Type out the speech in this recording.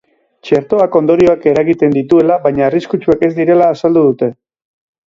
Txertoak ondorioak eragiten dituela, baina arriskutsuak ez direla azaldu dute.